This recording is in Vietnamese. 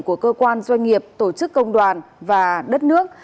của cơ quan doanh nghiệp tổ chức công đoàn và đất nước